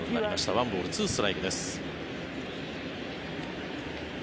１ボール２ストライクです。